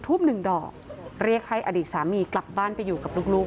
ทุ่มหนึ่งดอกเรียกให้อดีตสามีกลับบ้านไปอยู่กับลูก